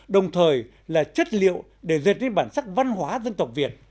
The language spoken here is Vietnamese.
đồng thời là chất liệu để dệt lên bản sắc văn hóa dân tộc việt